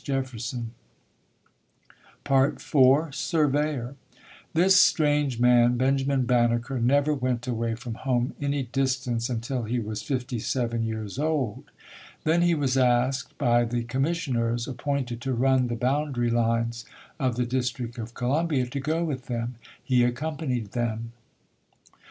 JEFFERSON IV SURVEYOR This strange man, Benjamin Banneker, never went away from home any distance until he was fifty seven years old. Then he was asked by the commissioners, appointed to run the boundary lines of the District of Columbia, to go with them. He accompanied them.